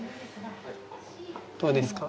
どうですか？